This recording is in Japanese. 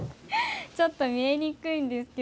ちょっと見えにくいんですけど。